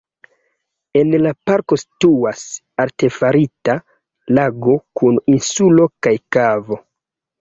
En la parko situas artefarita lago kun insulo kaj kavo.